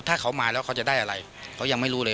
ถ้าเขามาแล้วเขาจะได้อะไรเขายังไม่รู้เลย